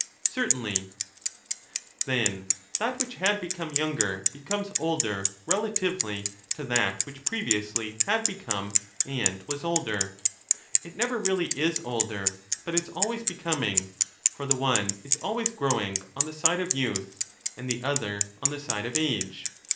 ^^\^ Certainly. than it. Then that which had become younger becomes older rela tively to that which previously had become and was older ; 155 it never really is older, but is always becoming, for the one is always growing on the side of youth and the other on the side of age.